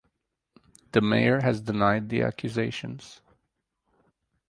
The mayor has denied the accusations.